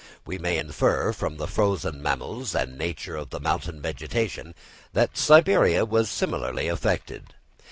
We may infer from the frozen mammals and nature of the mountain vegetation, that Siberia was similarly affected.